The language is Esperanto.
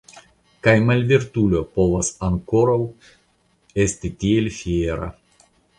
Kaj malvirtulo povas ankoraŭ esti tiel fiera!